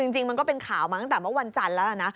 จริงมันก็เป็นข่าวมาตั้งแต่เมื่อวันจันทร์แล้วนะ